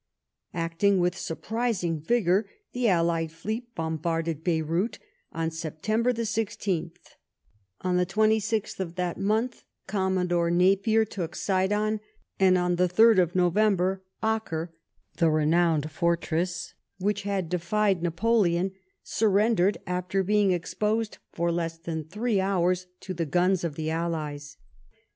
Acting with surprising vigour, the allied fleet bom barded Beyrout on September the 16th ; on the 26th of that month, Commodore Napier took Sidon ; and on the 8rd of November Acre, the renowned fortress which had defied Napoleon, surrendered, after *being exposed for less than three hours to the guns of the allies.